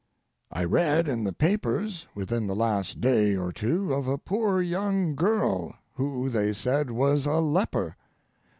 I read in the papers within the last day or two of a poor young girl who they said was a leper.